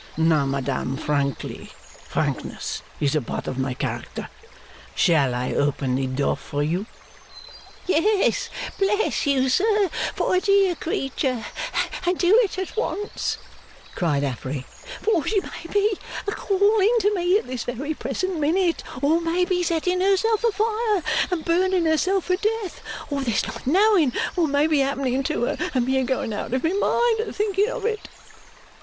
Now, madam, frankly frankness is a part of my character shall I open the door for you?' 'Yes, bless you, sir, for a dear creetur, and do it at once,' cried Affery, 'for she may be a calling to me at this very present minute, or may be setting herself a fire and burning herself to death, or there's no knowing what may be happening to her, and me a going out of my mind at thinking of it!